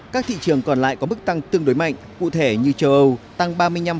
các thị trường còn lại có mức tăng tương đối mạnh cụ thể như châu âu tăng ba mươi năm